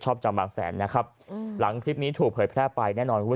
จำบางแสนนะครับหลังคลิปนี้ถูกเผยแพร่ไปแน่นอนคุณผู้ชม